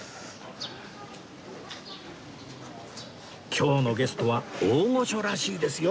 今日のゲストは大御所らしいですよ